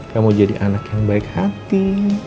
kamu jadi anak yang baik hati